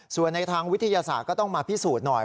ส่วนในทางวิทยาศาสตร์ก็ต้องมาพิสูจน์หน่อย